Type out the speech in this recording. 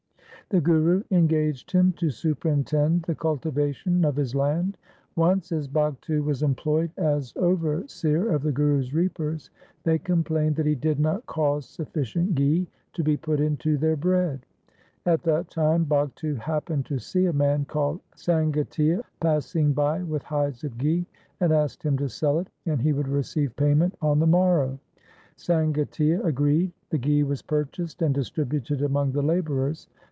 The Guru engaged him to superintend the cultivation of his land. Once, as Bhagtu was employed as overseer of the Guru's reapers, they complained that he did not cause suffi cient ghi to be put into their bread. At that time Bhagtu happened to see a man called Sangatia passing by with hides of ghi, and asked him to sell it, and he would receive payment on the morrow. Sangatia agreed ; the ghi was purchased and distributed among the labourers.